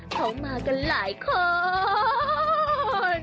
เขามากันหลายคน